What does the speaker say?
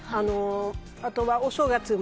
あとはお正月も。